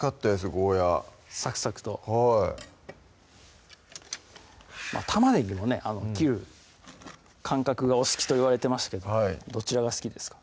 ゴーヤサクサクとはい玉ねぎもね切る感覚がお好きと言われてましたけどどちらが好きですか？